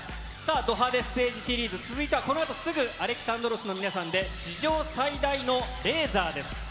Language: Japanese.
ド派手ステージシリーズ、続いてはこのあとすぐ、［Ａｌｅｘａｎｄｒｏｓ］の皆さんで、史上最大のレーザーです。